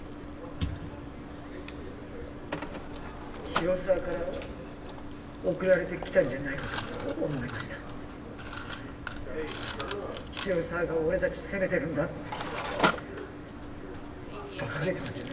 広沢から送られてきたんじゃないかと思いました広沢が俺達責めてるんだってバカげてますよね